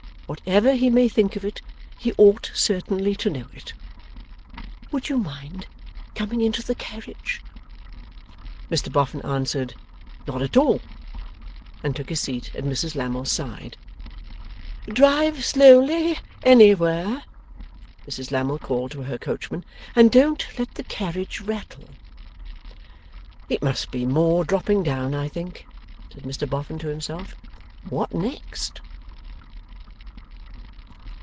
Whatever he may think of it, he ought certainly to know it." Would you mind coming into the carriage?' Mr Boffin answered, 'Not at all,' and took his seat at Mrs Lammle's side. 'Drive slowly anywhere,' Mrs Lammle called to her coachman, 'and don't let the carriage rattle.' 'It MUST be more dropping down, I think,' said Mr Boffin to himself. 'What next?